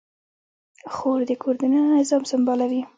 خور د کور دننه نظام سمبالوي.